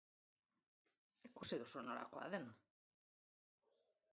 Ikusi duzu nolakoa den.